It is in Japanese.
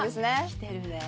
きてるね。